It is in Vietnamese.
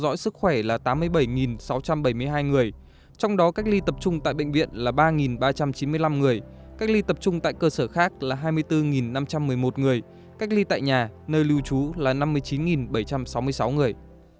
theo dõi sức khỏe là tám mươi bảy sáu trăm bảy mươi hai người trong đó cách ly tập trung tại bệnh viện là ba ba trăm chín mươi năm người cách ly tập trung tại cơ sở khác là hai mươi bốn năm trăm một mươi một người cách ly tại nhà nơi lưu trú là năm mươi chín bảy trăm sáu mươi sáu người